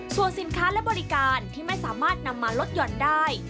ส่วนสินค้าและบริการที่ไม่สามารถนำมาลดหย่อนได้